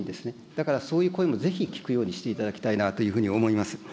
だからそういう声もぜひ聞くようにしていただきたいなというふうに思います。